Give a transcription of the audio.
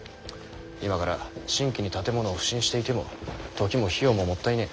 今から新規に建物を普請していても時も費用ももったいねぇ。